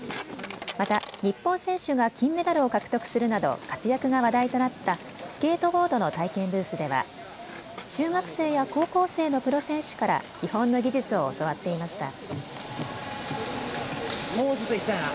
また、日本選手が金メダルを獲得するなど活躍が話題となったスケートボードの体験ブースでは中学生や高校生のプロ選手から基本の技術を教わっていました。